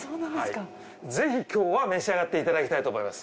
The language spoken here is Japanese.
ぜひ今日は召し上がっていただきたいと思います。